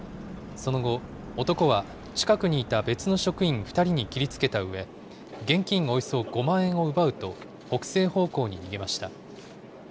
その後、男は近くにいた別の職員２人に切りつけたうえ、現金およそ５万円を奪うと、北西方向に逃げました。